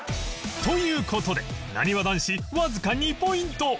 という事でなにわ男子わずか２ポイント